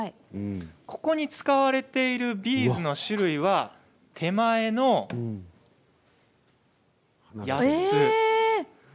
ここに使われているビーズの種類は手前の８つ。